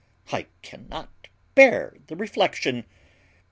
I cannot bear the reflection."